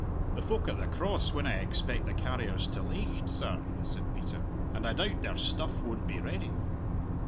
"The folk at the Cross winna expect the carriers till aicht, sir," said Peter, "and I doubt their stuff won't be ready."